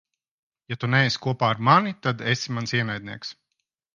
Ja tu neesi kopā ar mani, tad esi mans ienaidnieks.